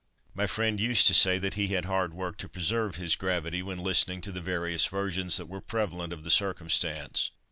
My friend used to say that he had hard work to preserve his gravity when listening to the various versions that were prevalent of the circumstance.